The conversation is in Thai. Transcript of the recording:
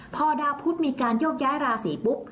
พอดาวพุทธมีการโยกย้ายราศีปุ๊บ